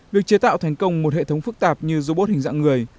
việc chế tạo thành công một hệ thống phức tạp như robot hình dạng người